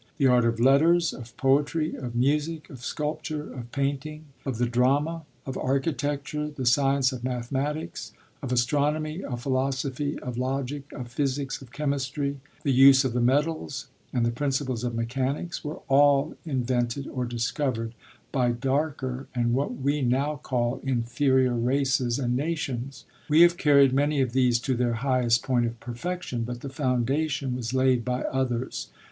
The art of letters, of poetry, of music, of sculpture, of painting, of the drama, of architecture; the science of mathematics, of astronomy, of philosophy, of logic, of physics, of chemistry, the use of the metals, and the principles of mechanics, were all invented or discovered by darker and what we now call inferior races and nations. We have carried many of these to their highest point of perfection, but the foundation was laid by others.